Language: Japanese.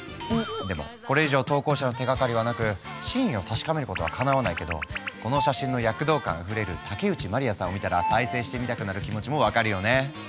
でもこれ以上投稿者の手がかりはなく真意を確かめることはかなわないけどこの写真の躍動感あふれる竹内まりやさんを見たら再生してみたくなる気持ちも分かるよね。